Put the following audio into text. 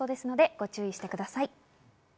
ご注意ください。